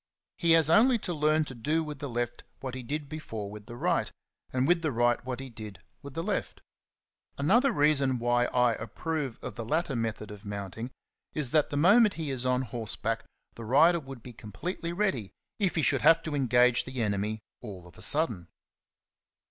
He has only to learn to do with the left what he did before with the right, and with the right what he did with the left. Another reason why I approve of the latter method of mounting is that the moment he is on horseback the rider would be completely ready, if he should have to engage the enemy all of a sudden.